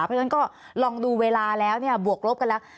เพราะฉะนั้นก็ลองดูเวลาแล้วบวกลบกันแล้ว